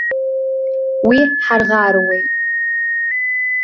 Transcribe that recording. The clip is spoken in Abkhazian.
Уи ҳарӷаруеит.